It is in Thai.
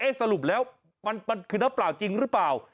สรุปแล้วมันคือน้ำเปล่าจริงหรือเปล่า